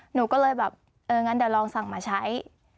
หนูก็เลยแบบเอองั้นเดี๋ยวลองสั่งมาใช้